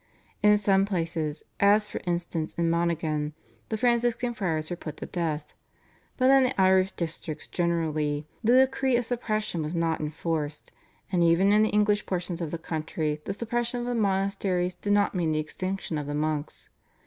In some places, as for instance in Monaghan, the Franciscan Friars were put to death. But in the Irish districts generally the decree of suppression was not enforced, and even in the English portions of the country the suppression of the monasteries did not mean the extinction of the monks.